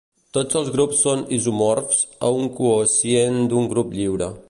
Tots els grups són isomorfs a un quocient d'un grup lliure.